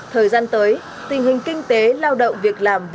thời gian tới tình hình kinh tế lao động việc làm